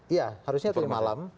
iya harusnya kemarin malam